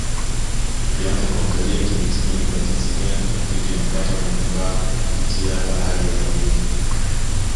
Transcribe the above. Tukianza kuangalia kiuchumi ni kwa jinsi gani afrika inapata manufaa kipitia bahari ya Hindi